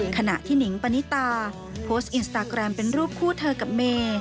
ขณะที่หนิงปณิตาโพสต์อินสตาแกรมเป็นรูปคู่เธอกับเมย์